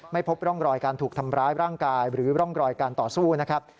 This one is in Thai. พบร่องรอยการถูกทำร้ายร่างกายหรือร่องรอยการต่อสู้นะครับ